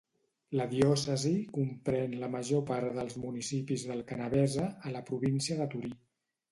La diòcesi comprèn la major part dels municipis del Canavese, a la província de Torí.